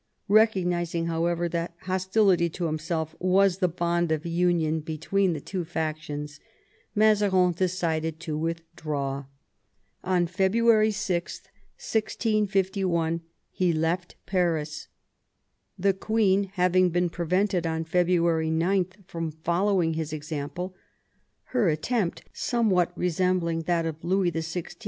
Eecognising, however, that hostility to himself was the bond of union between the two factions, Mazarin decided to withdraw. On February 6, 1651, he left Paris. The queen having been prevented on February 9 from following his example (her attempt somewhat resembling that of Louis XVI.